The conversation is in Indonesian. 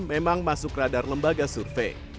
memang masuk radar lembaga survei